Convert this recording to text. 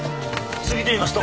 次と言いますと？